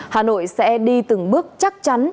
hà nội sẽ đi từng bước chắc chắn